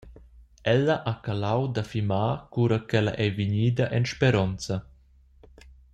Ella ha calau da fimar cura ch’ella ei vegnida en speronza.